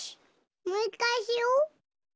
もういっかいしよう！